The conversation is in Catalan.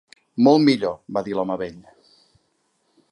"Molt millor", va dir l'home vell.